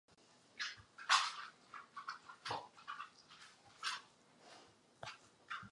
Jsem přesvědčen, že to je hluboce nemorální.